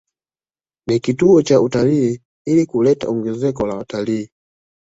Ni kituo cha utalii ili kuleta ongezeko la wataliii